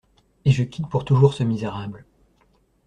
Et je quitte pour toujours ce misérable.